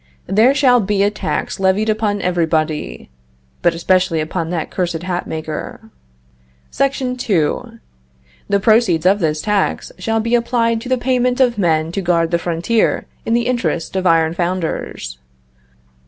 There shall be a tax levied upon everybody (but especially upon that cursed hat maker). SEC. 2. The proceeds of this tax shall be applied to the payment of men to guard the frontier in the interest of iron founders.